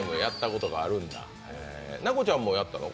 奈子ちゃんもやったの？